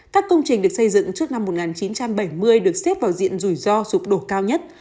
các công trình được xây dựng trước năm một nghìn chín trăm bảy mươi được xếp vào diện rủi ro sụp đổ cao nhất